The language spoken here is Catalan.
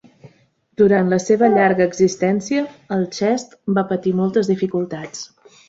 Durant la seva llarga existència, el Chest va patir moltes dificultats.